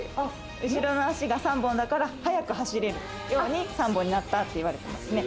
後ろの足が３本だから、速く走れるように３本になったって言われてますね。